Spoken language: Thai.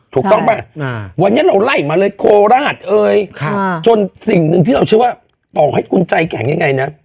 ถูกต้องป่ะวันนี้เราไล่มาเลยโคราชเอ้ยจนสิ่งหนึ่งที่เราเชื่อว่าต่อให้คุณใจแข็งยังไงนะ